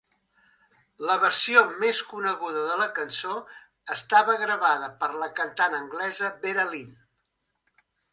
La versió més coneguda de la cançó estava gravada per la cantant anglesa Vera Lynn.